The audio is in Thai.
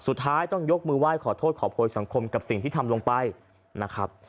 สุดท้ายต้องยกมือไหว้ขอโทษขอโพยสังคมกับสิ่งที่ทำลงไปนะครับ